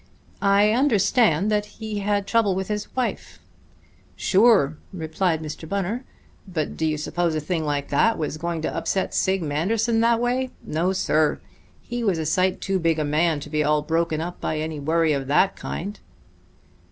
"I understood that he had trouble with his wife." "Sure," replied Mr. Bunner. "But do you suppose a thing like that was going to upset Sig Manderson that way? No, sir! He was a sight too big a man to be all broken up by any worry of that kind."